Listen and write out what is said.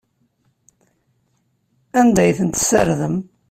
Anda ay tent-tessardem?